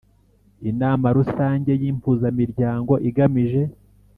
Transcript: Inama rusange y impuzamiryango igamije